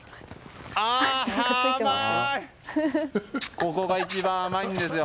ここが一番甘いんですよ。